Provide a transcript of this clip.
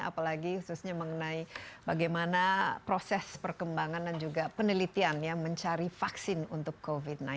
apalagi khususnya mengenai bagaimana proses perkembangan dan juga penelitian ya mencari vaksin untuk covid sembilan belas